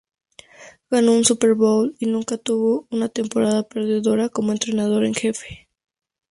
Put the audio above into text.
Ganó un Super Bowl y nunca tuvo una temporada perdedora como entrenador en jefe.